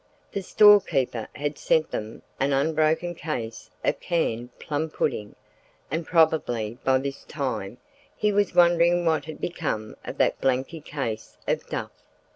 The storekeeper had sent them an unbroken case of canned plum pudding, and probably by this time he was wondering what had become of that blanky case of duff.